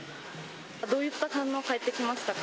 どういった反応返ってきましたか？